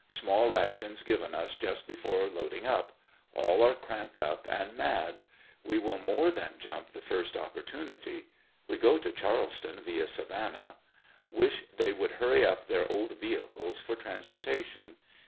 Small rations given us just before load ing up All are cramped up and mad. We will more than jump the first opportunity. We go to Charleston, via. Savannah. Wish they would hurry up their old vehicles for transportation.